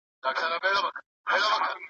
ټولو کورنیو خپل ماسومان ښوونځیو ته نه لېږل.